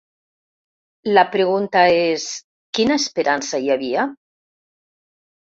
La pregunta és ‘quina esperança hi havia?’.